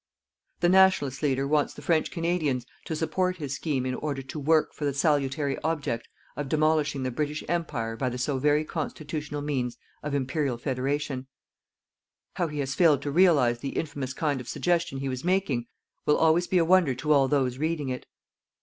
The Nationalist leader wants the French Canadians to support his scheme in order _to work for the salutary object of demolishing the British Empire by the so very constitutional means of Imperial Federation_. How he has failed to realize the infamous kind of suggestion he was making will always be a wonder to all those reading it.